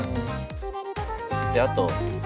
であと